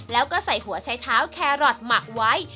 แล้วก็ใส่หัวใช้เท้าแครอทหมักไว้